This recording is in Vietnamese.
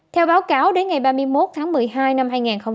theo báo cáo đến ngày ba mươi một tháng một mươi hai năm hai nghìn hai mươi